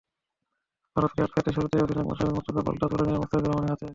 ভারতকে আটকাতে শুরুতেই অধিনায়ক মাশরাফি বিন মুর্তজা বলটা তুলে দিলেন মুস্তাফিজুর রহমানের হাতে।